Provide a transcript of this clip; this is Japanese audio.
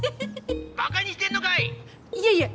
バカにしてんのかい⁉いえいえ